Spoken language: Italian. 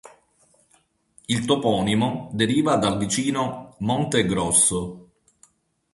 Il toponimo deriva dal vicino Monte Grosso.